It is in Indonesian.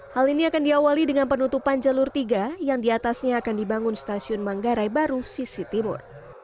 hal ini akan diawali dengan penutupan jalur tiga yang diatasnya akan dibangun stasiun manggarai baru sisi timur